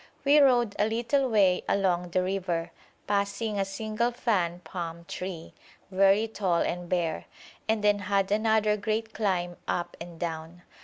We rode a little way along the river, passing a single fan palm tree, very tall and bare, and then had another great climb up and down.